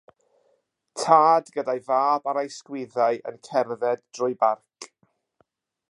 Tad gyda'i fab ar ei ysgwyddau yn cerdded drwy barc.